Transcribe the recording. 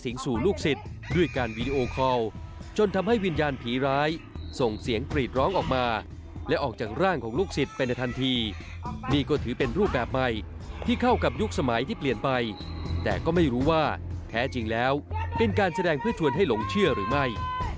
สิงห์สู่ลูกสิทธิ์ด้วยการวีดีโอคอลจนทำให้วิญญาณผีร้ายส่งเสียงปรีดร้องออกมาและออกจากร่างของลูกสิทธิ์เป็นทันทีนี่ก็ถือเป็นรูปแบบใหม่ที่เข้ากับยุคสมัยที่เปลี่ยนไปแต่ก็ไม่รู้ว่าแท้จริงแล้วเป็นการแสดงเพื่อชวนให้หลงเชื่อหรือไม่